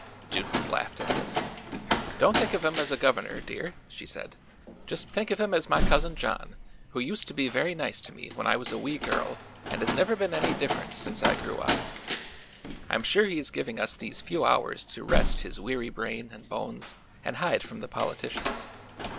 Judith laughed at this. "Don't think of him as a governor, dear," she said. "Just think of him as my Cousin John, who used to be very nice to me when I was wee girl and has never been any different since I grew up. I'm sure he is giving us these few hours to rest his weary brain and bones, and hide from the politicians.